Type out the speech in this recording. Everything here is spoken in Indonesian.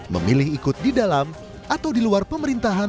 memilih ikut di dalam atau di luar pemerintahan